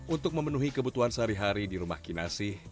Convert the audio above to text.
untuk memenuhi kebutuhan sehari hari di rumah kinasi